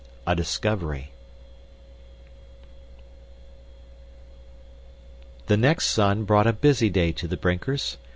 A Discovery The next sun brought a busy day to the Brinkers.